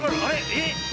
えっ？